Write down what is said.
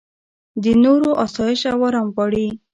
د نورو اسایش او ارام غواړې.